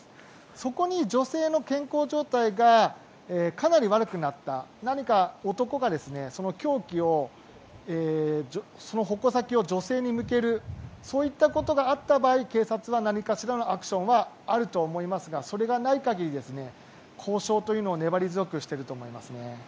そこに女性の健康状態がかなり悪くなった何か、男が凶器の矛先を女性に向けるそういったことがあった場合警察は何らかのアクションがあるとは思いますがそれがない限りは交渉というのは粘り強くしていると思います。